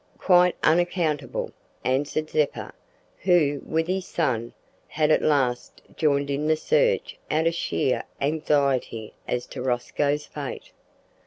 "Quite unaccountable," answered Zeppa, who, with his son, had at last joined in the search out of sheer anxiety as to Rosco's fate.